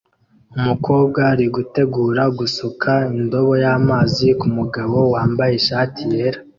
Umukobwa aritegura gusuka indobo y'amazi kumugabo wambaye ishati yera